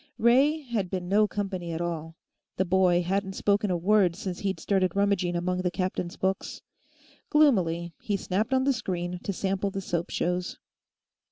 Ray had been no company at all; the boy hadn't spoken a word since he'd started rummaging among the captain's books. Gloomily, he snapped on the screen to sample the soap shows.